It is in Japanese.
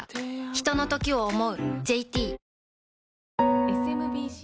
ひとのときを、想う。